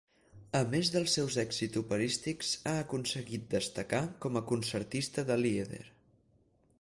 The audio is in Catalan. A més dels seus èxits operístics, ha aconseguit destacar com a concertista de lieder.